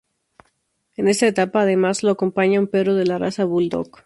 En esta etapa, además, lo acompaña un perro de la raza bulldog.